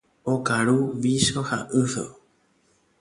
Okaru vícho ha yso.